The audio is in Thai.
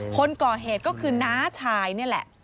คนก่อเหตุก็คือน้าชายนี่แหละ